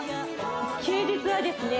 休日はですね